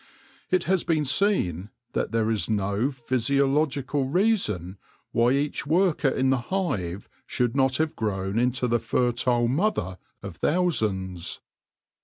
It has been seen that there is no physiological reason why each worker in the hive should not have grown into the fertile mother of thousands.